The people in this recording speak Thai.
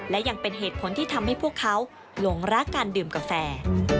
และยังเป็นเหตุผลที่ทำให้พวกเขาหลงรักการดื่มกาแฟ